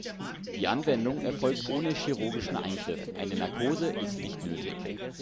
Die Anwendung erfolgt ohne chirurgischen Eingriff, eine Narkose ist nicht nötig.